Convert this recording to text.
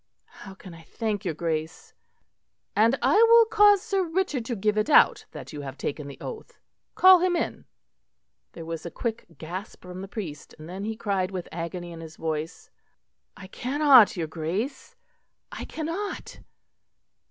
"How can I thank your Grace?" "And I will cause Sir Richard to give it out that you have taken the oath. Call him in." There was a quick gasp from the priest; and then he cried with agony in his voice: "I cannot, your Grace, I cannot."